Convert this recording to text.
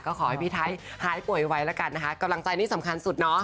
ก็ขอให้พี่ไทยหายป่วยไว้แล้วกันนะคะกำลังใจนี่สำคัญสุดเนาะ